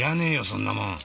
そんなもん！